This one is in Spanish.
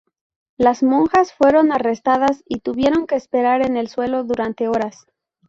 Las monjas fueron arrestadas y tuvieron que esperar en el suelo durante horas.